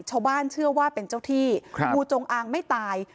ชาวบ้านเชื่อว่าเป็นเจ้าที่งูจงอางไม่ตาย